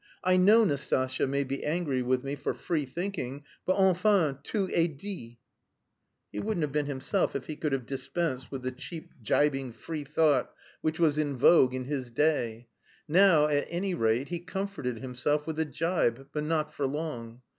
I know Nastasya may be angry with me for free thinking, but..._enfin, tout est dit._" He wouldn't have been himself if he could have dispensed with the cheap gibing free thought which was in vogue in his day. Now, at any rate, he comforted himself with a gibe, but not for long.